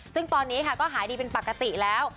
ซึ่งตอนนี้ค่ะก็หายดีเป็นปกติแล้ว